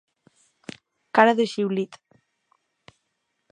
Cara de xiulit.